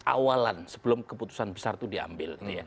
awalan sebelum keputusan besar itu diambil